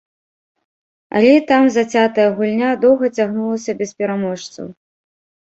Але і там зацятая гульня доўга цягнулася без пераможцаў.